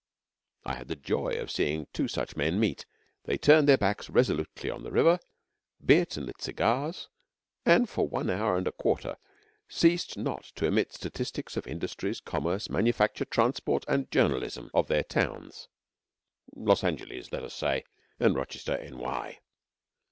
I had the joy of seeing two such men meet. They turned their backs resolutely on the River, bit and lit cigars, and for one hour and a quarter ceased not to emit statistics of the industries, commerce, manufacture, transport, and journalism of their towns; Los Angeles, let us say, and Rochester, N.Y.